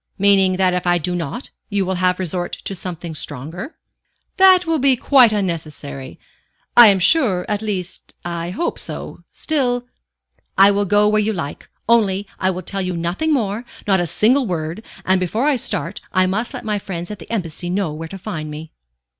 "Meaning that if I do not, you will have resort to something stronger?" "That will be quite unnecessary, I am sure, at least I hope so. Still " "I will go where you like, only I will tell you nothing more, not a single word; and before I start, I must let my friends at the Embassy know where to find me."